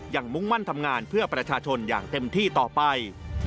มุ่งมั่นทำงานเพื่อประชาชนอย่างเต็มที่ต่อไป